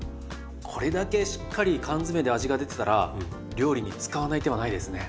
これだけしっかり缶詰で味が出てたら料理に使わない手はないですね。